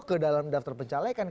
ke dalam daftar pencahlayakan